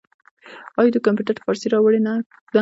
آیا دوی کمپیوټر ته فارسي راوړې نه ده؟